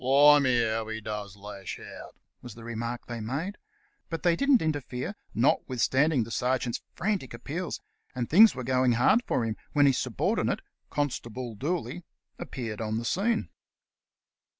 "Blimey, how does he lash out !" was the remark they made. But they didn't interfere, notwithstanding the sergeant's frantic appeals, and things were going hard with him when his sub ordinate. Constable Dooley, appeared on the scene.